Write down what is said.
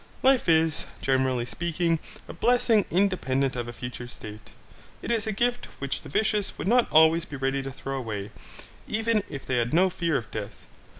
Life is, generally speaking, a blessing independent of a future state. It is a gift which the vicious would not always be ready to throw away, even if they had no fear of death.